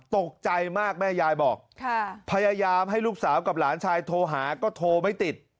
ตกใจมากแม่ยายบอกพยายามให้ลูกสาวกับหลานชายโทรหาก็โทรไม่ติด